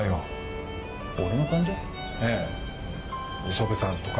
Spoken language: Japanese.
磯部さんとか？